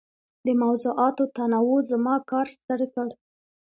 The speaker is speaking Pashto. د موضوعاتو تنوع زما کار ستر کړ.